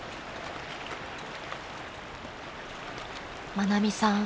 ［愛美さん